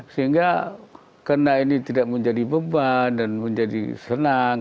sehingga karena ini tidak menjadi beban dan menjadi senang